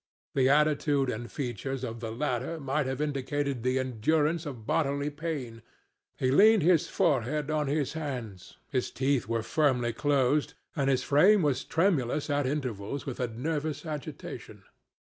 The attitude and features of the latter might have indicated the endurance of bodily pain; he leaned his forehead on his hands, his teeth were firmly closed and his frame was tremulous at intervals with a nervous agitation.